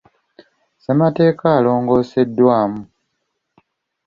Ssemateeka erongooseddwamu.